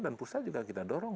dan pusat juga kita dorong